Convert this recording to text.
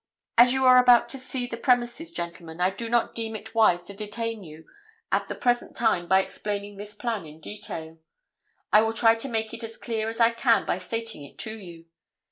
As you are about to see the premises, gentlemen, I do not deem it wise to detain you at the present time by explaining this plan in detail. I will try to make it as clear as I can by stating it to you.